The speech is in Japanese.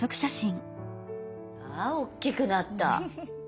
あ大きくなった。